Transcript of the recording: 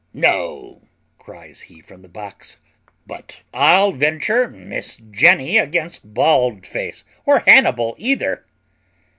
"No," cries he from the box; "but I'll venture Miss Jenny against Baldface, or Hannibal either."